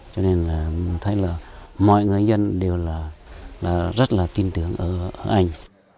cho nên mình thấy mọi người dân đều rất tin tưởng ở anh